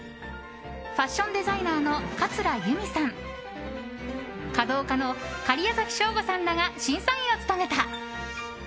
ファッションデザイナーの桂由美さん華道家の假屋崎省吾さんらが審査員を務めた。